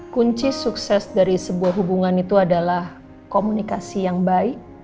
kunci sukses dari sebuah hubungan itu adalah komunikasi yang baik